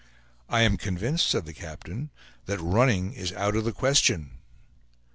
"I am convinced," said the captain, "that, 'running' is out of the question.